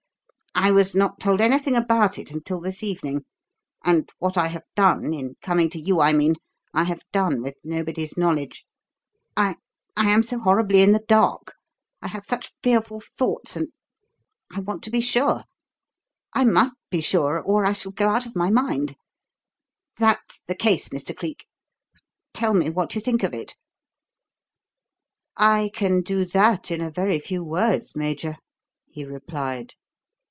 "I was not told anything about it until this evening, and what I have done in coming to you, I mean I have done with nobody's knowledge. I I am so horribly in the dark I have such fearful thoughts and and I want to be sure. I must be sure or I shall go out of my mind. That's the 'case,' Mr. Cleek tell me what you think of it." "I can do that in a very few words, Major," he replied.